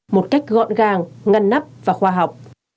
một cách gọn gàng ngăn nắp và khoa học